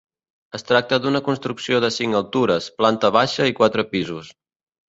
Es tracta d'una construcció de cinc altures, planta baixa i quatre pisos.